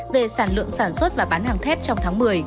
về sản lượng sản xuất và bán hàng thép trong tháng một mươi